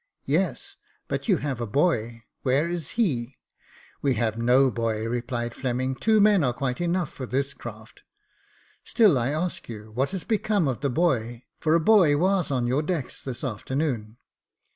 " Yes J but you have a boy : where is he ?"" We have no boy," replied Fleming ;" two men are quite enough for this craft." " Still I ask you, what has become of the boy ? for a boy was on your decks this afternoon."